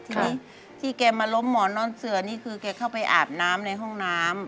ทีนี้ที่แกมาล้มหมอนนอนเสือนี่คือแกเข้าไปอาบน้ำในห้องน้ำ